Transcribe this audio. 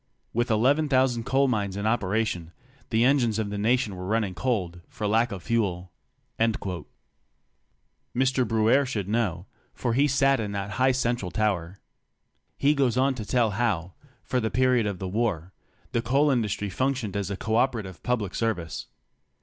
,.. With 11,000 coal mines in operation, the engines of the nation were running cold for lack of fuel." Mr. Bruere should know, for he sat in that high central tower. He goes on to tell how, for the period of the war, the coal industry functioned as a co operative public service.